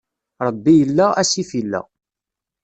Ṛebbi illa, asif illa.